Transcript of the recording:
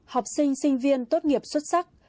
học sinh sinh viên tốt nghiệp xuất sắc